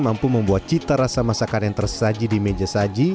mampu membuat cita rasa masakan yang tersaji di meja saji